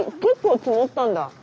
結構積もったんだ。